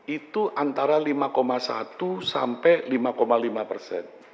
itu antara lima satu sampai lima lima persen